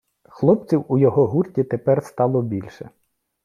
Хлопців у його гурті тепер стало більше.